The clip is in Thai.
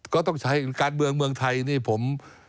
ก็ต้องใช้การเมืองเมืองไทยนี่ผม